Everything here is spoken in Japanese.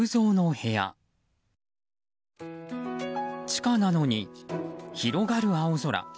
地下なのに広がる青空。